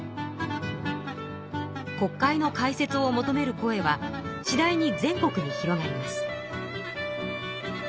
国会の開設を求める声はしだいに全国に広がります。